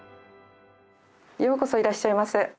ようこそいらっしゃいませ。